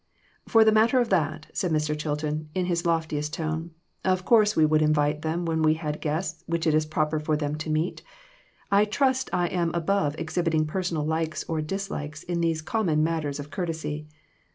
" For the matter of that," said Mr. Chilton, in his loftiest tone, "of course we would invite them when we had guests which it is proper for them to meet. I trust I am above exhibiting personal likes or dislikes in these common matters of courtesy.